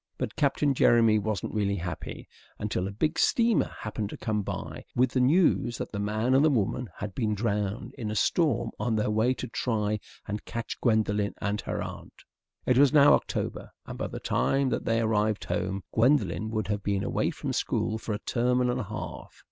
But Captain Jeremy wasn't really happy until a big steamer happened to come by with news that the man and the woman had been drowned in a storm on their way to try and catch Gwendolen and her aunt. It was now October, and by the time that they arrived home Gwendolen would have been away from school for a term and a half.